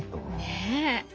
ねえ。